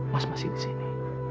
mas masih di sini